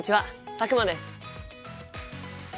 佐久間です。